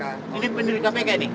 ini pendiri kpk ini